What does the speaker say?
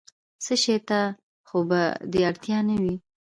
څه شي ته خو به دې اړتیا نه وي؟